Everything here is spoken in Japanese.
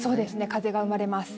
風が生まれます。